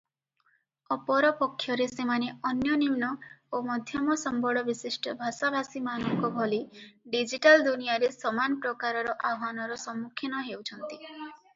ଅପରପକ୍ଷରେ ସେମାନେ ଅନ୍ୟ ନିମ୍ନ ଓ ମଧ୍ୟମ ସମ୍ବଳ ବିଶିଷ୍ଟ ଭାଷା ଭାଷୀମାନଙ୍କ ଭଳି ଡିଜିଟାଲ ଦୁନିଆରେ ସମାନ ପ୍ରକାରର ଆହ୍ୱାନର ସମ୍ମୁଖୀନ ହେଉଛନ୍ତି ।